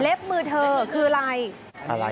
เล็บมือเธอคืออะไร